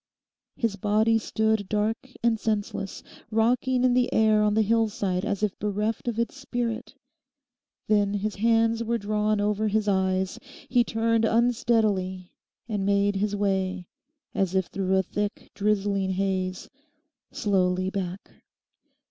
His body stood dark and senseless, rocking in the air on the hillside as if bereft of its spirit. Then his hands were drawn over his eyes. He turned unsteadily and made his way, as if through a thick, drizzling haze, slowly back.